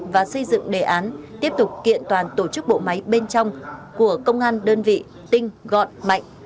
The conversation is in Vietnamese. và xây dựng đề án tiếp tục kiện toàn tổ chức bộ máy bên trong của công an đơn vị tinh gọn mạnh